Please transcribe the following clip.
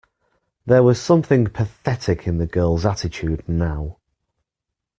There was something pathetic in the girl's attitude now.